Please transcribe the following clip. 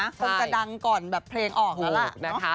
คงจะดังก่อนแบบเพลงออกแล้วล่ะนะคะ